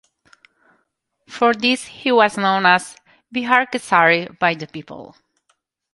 For this he was known as "Bihar Kesari" by the people.